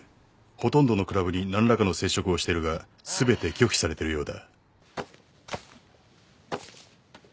ほとんどのクラブに何らかの接触をしてるが全て拒否されてるようだ。